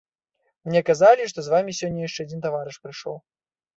Мне казалі, што з вамі сёння яшчэ адзін таварыш прыйшоў.